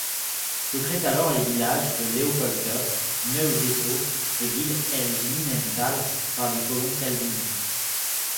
Se créent alors les villages de Leopoldsburg, Neu-Dessau et Wilhelminenthal par des colons calvinistes.